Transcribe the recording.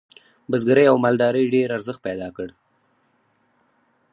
بزګرۍ او مالدارۍ ډیر ارزښت پیدا کړ.